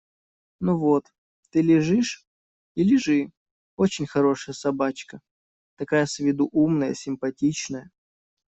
– Ну вот! Ты лежишь? И лежи… Очень хорошая собачка… такая с виду умная, симпатичная.